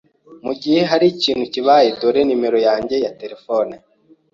Mugihe harikintu kibaye, dore numero yanjye ya terefone.